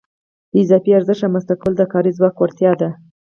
د اضافي ارزښت رامنځته کول د کاري ځواک وړتیا ده